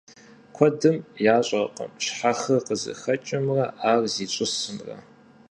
Куэдым ящӀэркъым щхьэхыр къызыхэкӀымрэ ар зищӀысымрэ.